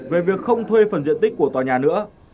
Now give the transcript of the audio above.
về việc không thuê phần diện tích của tòa nhà nữa